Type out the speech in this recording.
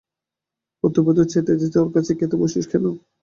পুত্রবধূ চেঁচাইতেছে, ওর কাছে খেতে বসিস কেন?